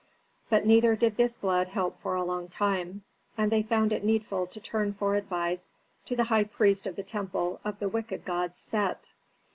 But neither did this blood help for a long time, and they found it needful to turn for advice to the high priest of the temple of the wicked god Set.